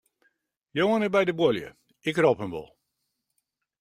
Johan is by de buorlju, ik rop him wol.